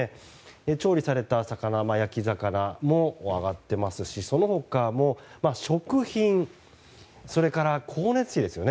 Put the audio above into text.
調理された魚、焼き魚も上がっていますしその他も、食品それから光熱費ですね。